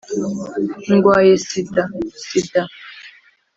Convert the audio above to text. ndwaye sida!sida!